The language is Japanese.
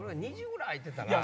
２０ぐらい空いてたら。